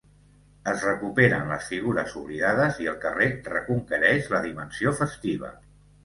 Es recuperen les figures oblidades i el carrer reconquereix la dimensió festiva.